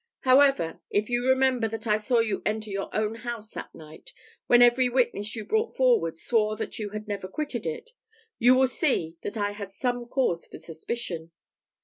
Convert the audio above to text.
However, if you remember that I saw you enter your own house that night, when every witness you brought forward swore that you had never quitted it, you will see that I had some cause for suspicion.